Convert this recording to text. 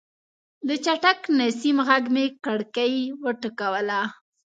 د چټک نسیم غږ مې کړکۍ وټکوله.